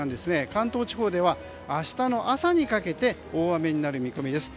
関東地方では明日の朝にかけて大雨になる見込みです。